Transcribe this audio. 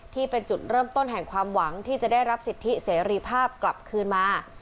ที่เป็นจุดเริ่มต้นแห่งความหวังที่จะได้รับสิทธิเสรีภาพกลับคืนมา